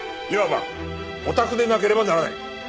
いわばオタクでなければならない。